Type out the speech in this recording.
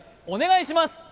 お願いします